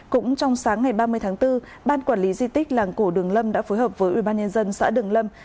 cũng trong sáng ngày ba mươi tháng bốn ban quản lý di tích làng cổ đường lâm đã phối hợp với ubnd xã đường lâm